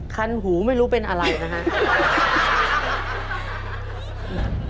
คันหูไม่รู้เป็นอะไรนะครับ